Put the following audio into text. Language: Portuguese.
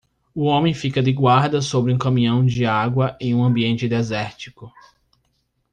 O homem fica de guarda sobre um caminhão de água em um ambiente desértico